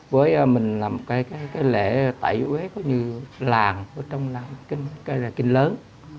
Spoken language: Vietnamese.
với mình làm lễ tẩy huế ở trong làng kinh lớn